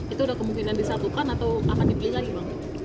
itu udah kemungkinan disatukan atau akan dipilih lagi bang